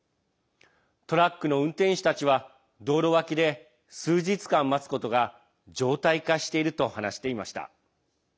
トラックの運転手たちは道路脇で数日間待つことが常態化していると話していました。